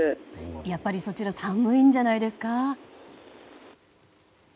やっぱりそちら、寒いんじゃないですか。